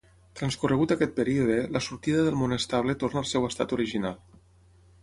Transcorregut aquest període, la sortida del monoestable torna al seu estat original.